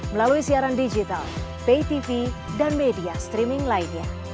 melalui siaran digital pay tv dan media streaming lainnya